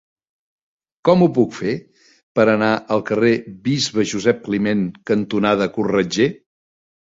Com ho puc fer per anar al carrer Bisbe Josep Climent cantonada Corretger?